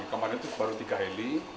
kemarin itu baru tiga heli